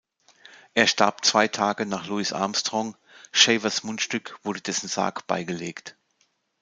Er starb zwei Tage nach Louis Armstrong; Shavers´ Mundstück wurde dessen Sarg beigelegt.